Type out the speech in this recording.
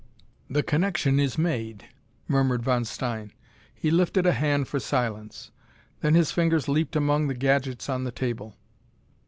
"The connection is made," murmured Von Stein. He lifted a hand for silence: then his fingers leaped among the gadgets on the table.